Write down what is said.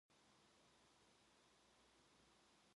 대기업을 상대로 소송을 내시는데요.